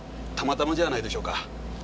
たまたまじゃないでしょうか。